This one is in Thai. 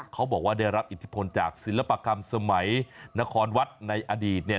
เขาบอกว่าได้รับอิทธิพลจากศิลปกรรมสมัยนครวัดในอดีตเนี่ย